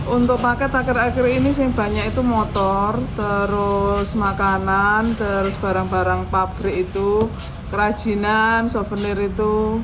untuk paket akhir akhir ini sih banyak itu motor terus makanan terus barang barang pabrik itu kerajinan souvenir itu